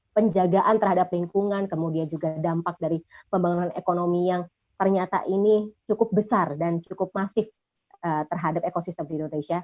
penjagaan terhadap lingkungan kemudian juga dampak dari pembangunan ekonomi yang ternyata ini cukup besar dan cukup masif terhadap ekosistem di indonesia